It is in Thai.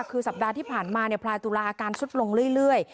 คือสัปดาห์ที่ผ่านมาพลายตุลาอาการสุดลงเรื่อย